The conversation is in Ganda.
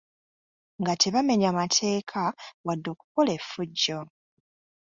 Nga tebamenya mateeka wadde okukola efujjo.